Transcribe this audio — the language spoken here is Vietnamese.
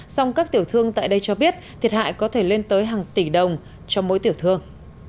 song các tiểu thương tại đây cho biết thiệt hại có thể lên tới hàng tỷ đồng cho mỗi tiểu thương